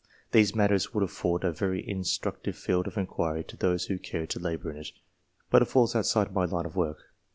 These matters would afford a very instructive field of inquiry to those who cared to labour in it, but it falls outside my line of work.